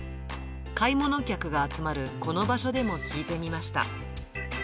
買い物客が集まるこの場所でも聞いてみました。